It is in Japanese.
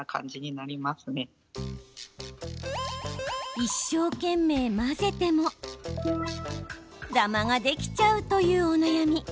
一生懸命混ぜてもダマができちゃう、というお悩み。